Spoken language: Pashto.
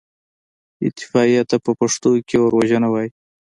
اطفائيې ته په پښتو کې اوروژنه وايي.